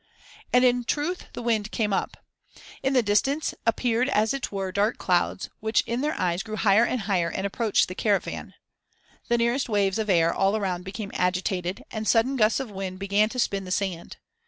And in truth the wind came up. In the distance appeared as it were dark clouds which in their eyes grew higher and higher and approached the caravan. The nearest waves of air all around became agitated and sudden gusts of wind began to spin the sand.